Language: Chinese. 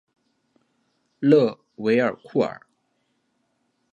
勒韦尔库尔。